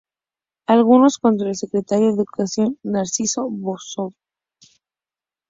Algunos contra el Secretario de Educación Narciso Bassols.